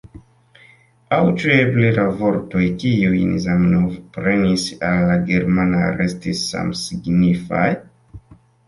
Aŭ ĉu eble la vortoj kiujn Zamenhof prenis el la germana restis samsignifaj?